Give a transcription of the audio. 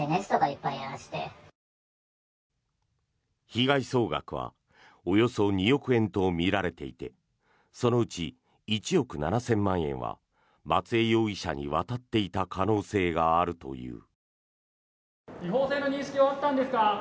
被害総額はおよそ２億円とみられていてそのうち１億７０００万円は松江容疑者に渡っていた可能性があるという。